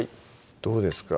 どうですか？